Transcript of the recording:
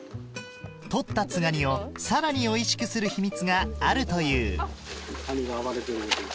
取ったツガニをさらにおいしくする秘密があるというカニが暴れてる。